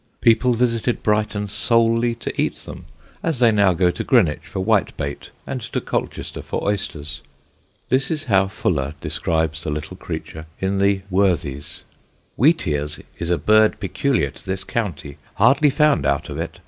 People visited Brighton solely to eat them, as they now go to Greenwich for whitebait and to Colchester for oysters. This is how Fuller describes the little creature in the Worthies "Wheatears is a bird peculiar to this County, hardly found out of it.